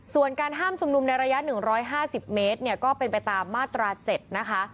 ส่วนการห้ามชุมนุมในระยะหนึ่งร้อยห้าสิบเมตรเนี่ยก็เป็นไปตามมาตราเจ็ดนะคะ